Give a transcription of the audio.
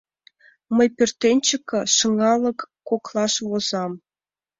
— Мый пӧртӧнчыкӧ, шыҥалык коклаш, возам.